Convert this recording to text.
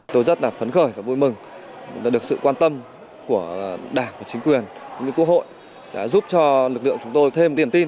tôi rất là phấn khởi và vui mừng được sự quan tâm của đảng và chính quyền quốc hội đã giúp cho lực lượng chúng tôi thêm tiền tin